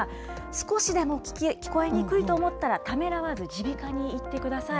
少しでも聞こえにくいと思ったら、ためらわず、耳鼻科に行ってください。